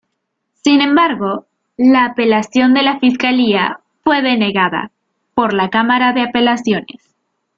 Sin embargo, la apelación de la fiscalía fue denegada por la cámara de apelaciones.